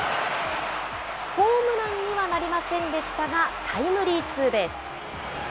ホームランにはなりませんでしたが、タイムリーツーベース。